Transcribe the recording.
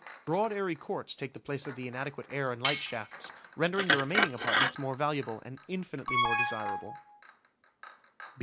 Broad airy courts take the place of the inadequate air and light shafts, rendering the remaining apartments more valuable and infinitely more desirable.